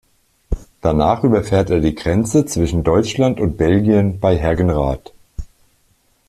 Danach überfährt er die Grenze zwischen Deutschland und Belgien bei Hergenrath.